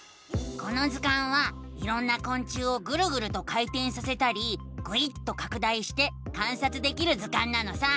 この図鑑はいろんなこん虫をぐるぐると回てんさせたりぐいっとかく大して観察できる図鑑なのさ！